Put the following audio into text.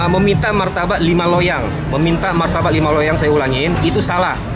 meminta martabat lima loyang meminta martabak lima loyang saya ulangi itu salah